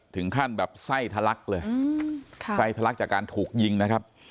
ถึงขั้นแบบไส้ทะลักเลยไส้ทะลักจากการถูกยิงนะครับ